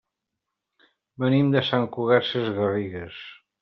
Venim de Sant Cugat Sesgarrigues.